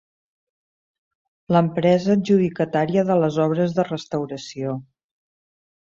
L'empresa adjudicatària de les obres de restauració.